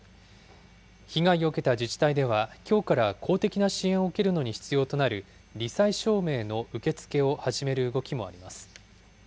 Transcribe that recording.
被害を受けた自治体では、きょうから公的な支援を受けるのに必要となるり災証明の受け付けを始める動きもあります。